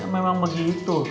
ya memang begitu